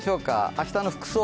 明日の服装。